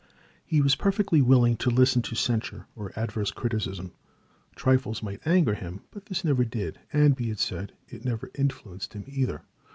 He was perfectly willing to listen to censure or adverse criticism. Trifles might anger him, but this never did, and, be it said, it never influenced him either.